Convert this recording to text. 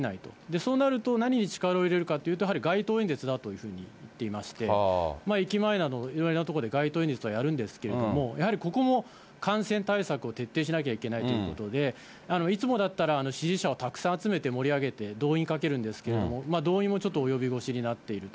そうなると何に力を入れるかというと、やはり街頭演説だというふうに言っていまして、駅前など、いろいろな所で街頭演説はやるんですけれども、やはりここも、感染対策を徹底しなきゃいけないということで、いつもだったら支持者をたくさん集めて盛り上げて、動員かけるんですけれども、動員もちょっと及び腰になっていると。